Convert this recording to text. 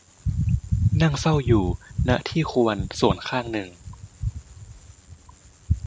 นั่งเฝ้าอยู่ ณ ที่ควรส่วนข้างหนึ่ง